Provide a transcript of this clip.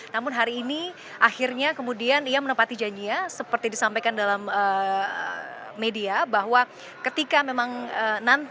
namun hari ini akhirnya kemudian ia menepati janjiya seperti disampaikan dalam media